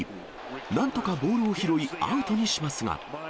なんとかボールを拾い、アウトにしますが。